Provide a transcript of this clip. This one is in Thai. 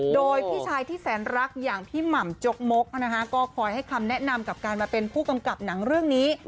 โดยพี่ชายที่แสนรักอย่างพี่หม่ำจกมกก็คอยให้คำแนะนำกับการมาเป็นผู้กำกับหนังเรื่องนี้